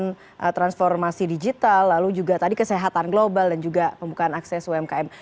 kemudian transformasi digital lalu juga tadi kesehatan global dan juga pembukaan akses umkm